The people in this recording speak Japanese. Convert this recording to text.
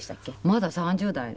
まだ３０代。